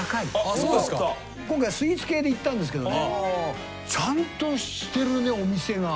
今回スイーツ系でいったんですけどねちゃんとしてるねお店が。